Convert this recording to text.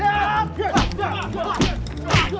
udah bantu saya